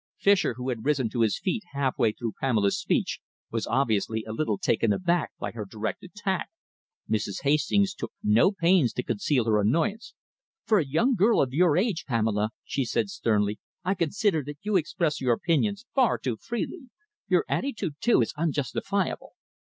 Fischer, who had risen to his feet half way through Pamela's speech, was obviously a little taken aback by her direct attack. Mrs. Hastings took no pains to conceal her annoyance. "For a young girl of your age, Pamela," she said sternly, "I consider that you express your opinions far too freely. Your attitude, too, is unjustifiable."